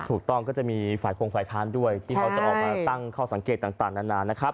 ก็จะมีฝ่ายโครงฝ่ายค้านด้วยที่เขาจะออกมาตั้งข้อสังเกตต่างนานนะครับ